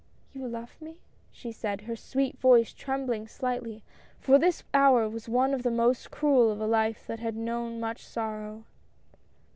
" You love me ?" she said, her sweet voice trembling HOPES. 173 slightly, for this hour was one of the most cruel of a life that had known much sorrow.